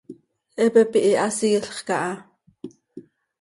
Hipi pihiiha, siilx caha.